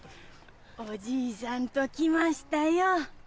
おじいさんと来ましたよ。